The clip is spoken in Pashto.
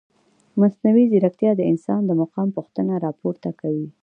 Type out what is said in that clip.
مصنوعي ځیرکتیا د انسان د مقام پوښتنه راپورته کوي.